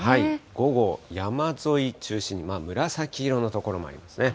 午後、山沿い中心に紫色の所もありますね。